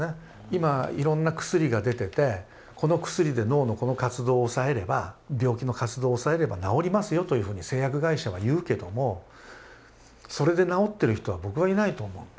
今いろんな薬が出てて「この薬で脳のこの活動を抑えれば病気の活動を抑えれば治りますよ」というふうに製薬会社は言うけどもそれで治ってる人は僕はいないと思うんですね。